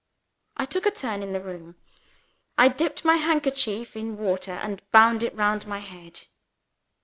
I took a turn in the room. I dipped my handkerchief in water, and bound it round my head.